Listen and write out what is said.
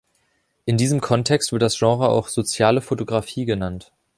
In diesem Kontext wird das Genre auch Soziale Fotografie genannt.